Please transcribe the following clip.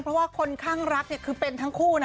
เพราะว่าคนข้างรักเนี่ยคือเป็นทั้งคู่นะ